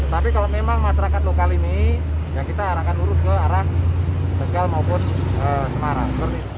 tapi kalau memang masyarakat lokal ini ya kita arahkan urus ke arah tegal maupun semarang